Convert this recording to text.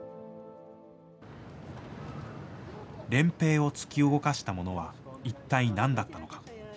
漣平を突き動かしたものは一体、何だったのか。